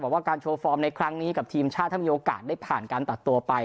ว่าการโชว์ฟอร์มในครั้งนี้กับทีมชาติถ้ามีโอกาสได้ผ่านการตัดตัวไป